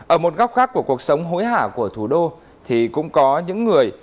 ở một góc khác của cuộc sống hối hả của thủ đô thì cũng có những người